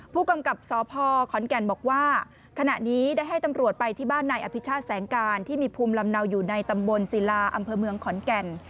ผู้กำกับสพขอนแก่นบอกว่าขณะนี้ได้ให้ตำรวจไปที่บ้านนายอภิชาติแสงการที่มีภูมิลำเนาอยู่ในตำบลศิลาอำเภอเมืองขอนแก่น